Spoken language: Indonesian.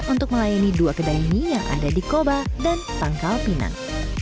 untuk melayani dua kedai mie yang ada di koba dan pangkal pinang